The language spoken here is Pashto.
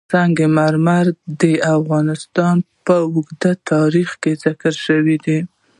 سنگ مرمر د افغانستان په اوږده تاریخ کې ذکر شوی دی.